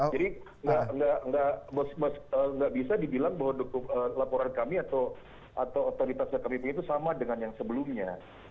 nggak bisa dibilang bahwa laporan kami atau otoritas kpp itu sama dengan yang sebelumnya